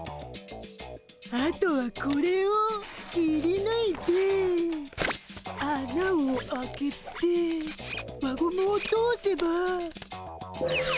あとはこれをきりぬいてあなを開けて輪ゴムを通せば。